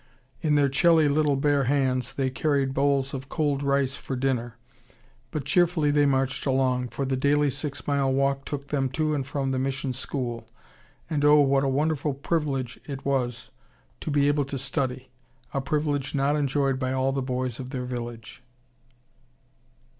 In their chilly, little, bare hands they carried bowls of cold rice for dinner. But cheerfully they marched along, for the daily six mile walk took them to and from the mission school, and oh! what a wonderful privilege it was to be able to study, a privilege not enjoyed by all the boys of their village.